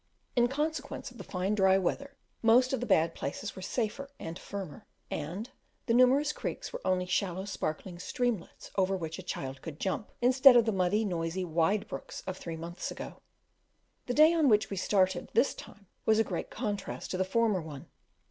In consequence of the fine dry weather, most of the bad places were safer and firmer, and the numerous creeks were only shallow sparkling streamlets over which a child could jump, instead of the muddy noisy wide brooks of three months ago. The day on which we started, this time, was a great contrast to the former one.